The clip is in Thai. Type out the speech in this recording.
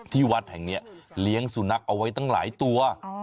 วัดแห่งนี้เลี้ยงสุนัขเอาไว้ตั้งหลายตัว